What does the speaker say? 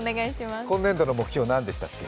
今年度の目標、何でしたっけ？